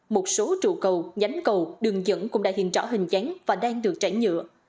một số trụ cầu nhánh cầu đường dẫn cũng đã hiện rõ hình dáng và đang được trải nhựa